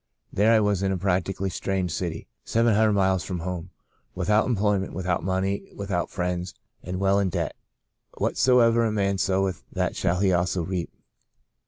There I was in a practically strange city, seven hundred miles from home, without employment, without money and without friends, and well in debt. 'Whatsoever a man soweth that shall he also reap.'